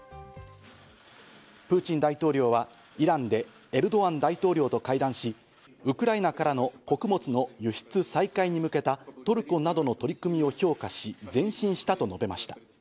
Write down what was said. プーチン大統領はイランでエルドアン大統領と会談し、ウクライナからの穀物の輸出再開に向けたトルコなどの取り組みを評価し、前進したと述べました。